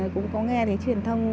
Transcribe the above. cũng có nghe truyền thông